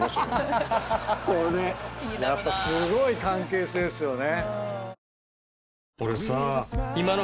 やっぱすごい関係性っすよね。